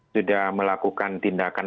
sudah melakukan tindakan